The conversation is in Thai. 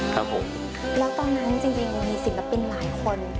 แล้วตอนนั้นจริงมีศิลปินหลายคน